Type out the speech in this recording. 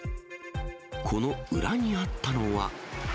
この裏にあったのは。